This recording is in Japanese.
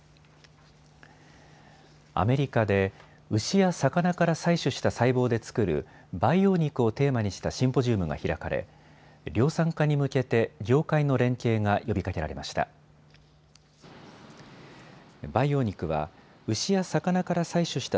アメリカで牛や魚から採取した細胞で作る培養肉をテーマにしたシンポジウムが開かれ、量産化に向けて業界の連携が呼びかけられました。